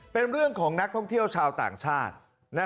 เป็นเรื่องของนักท่องเที่ยวชาวต่างชาติ